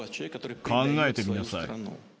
考えてみなさい。